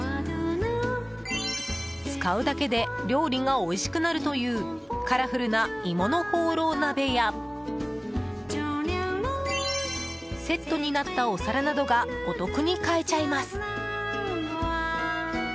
使うだけで料理がおいしくなるというカラフルな鋳物ホーロー鍋やセットになったお皿などがお得に買えちゃいます。